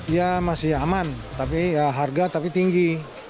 ya masih aman tapi ya harga tapi tinggi